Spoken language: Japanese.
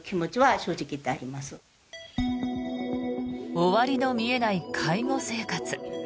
終わりの見えない介護生活。